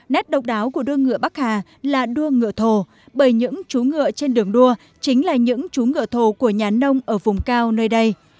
nét độc đáo của đô ngựa bắc hà là đua ngựa thồ bởi những chú ngựa trên đường đua chính là những chú ngựa thổ của nhà nông ở vùng cao nơi đây